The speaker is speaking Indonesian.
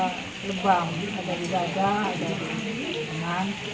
sistem pendidikan yang mungkin jadi kelar